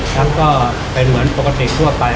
ฉันก็เป็นเหมือนปกติทั่วไป